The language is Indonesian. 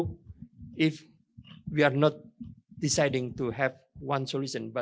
jika kami tidak memutuskan untuk memiliki solusi satu